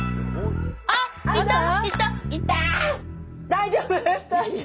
大丈夫？